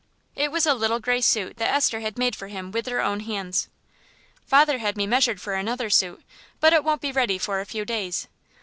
It was a little grey suit that Esther had made for him with her own hands. "Father had me measured for another suit, but it won't be ready for a few days.